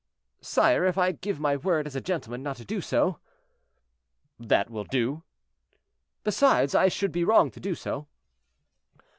"Sire, if I give my word as a gentleman not to do so?" "That will do." "Besides, I should be wrong to do so."